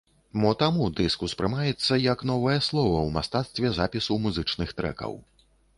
Мо таму дыск успрымаецца як новае слова ў мастацтве запісу музычных трэкаў.